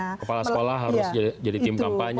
kepala sekolah harus jadi tim kampanye